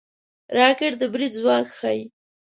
راکټ د برید ځواک ښيي